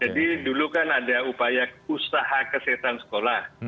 dulu kan ada upaya usaha kesehatan sekolah